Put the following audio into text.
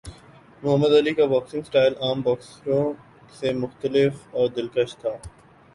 محمد Ali کا boxing style عام باکسروں سے مختلف اور دلکش تھا۔